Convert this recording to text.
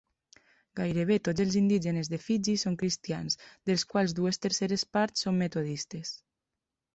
Gairebé tots els indígenes de Fiji són cristians, dels quals dues terceres parts són metodistes.